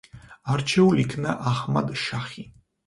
არჩეულ იქნა აჰმად–შაჰი.